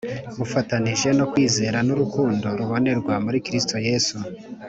bufatanije no kwizera n’urukundo rubonerwa muri Kristo Yesu.